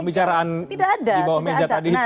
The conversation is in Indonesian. pembicaraan di bawah meja tadi itu